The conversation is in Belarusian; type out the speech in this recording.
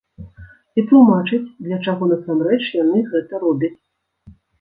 І тлумачыць, для чаго насамрэч яны гэта робяць.